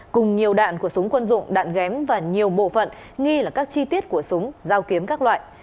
cùng nhiều đạn của súng quân dụng đạn ghém và nhiều bộ phận nghi là các chi tiết của súng dao kiếm các loại